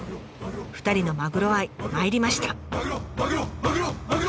２人のマグロ愛まいりました！